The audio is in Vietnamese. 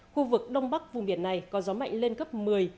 khu vực đông bắc vùng biển này có gió mạnh lên cấp một mươi một mươi hai